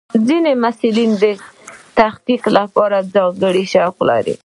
ځینې محصلین د تحقیق لپاره ځانګړي شوق لري.